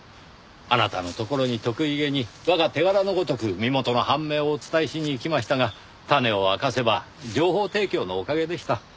あなたのところに得意げに我が手柄のごとく身元の判明をお伝えしに行きましたが種を明かせば情報提供のおかげでした。